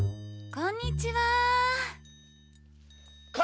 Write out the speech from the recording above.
こんにちは！